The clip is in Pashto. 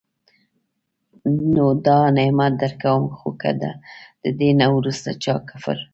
نو دا نعمت درکوم، خو که د دي نه وروسته چا کفر